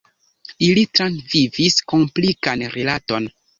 Ili travivis komplikan rilaton.